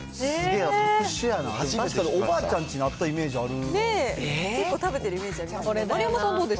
昔、おばあちゃんちにあったイメージある。